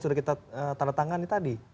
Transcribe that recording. sudah kita tanda tangan tadi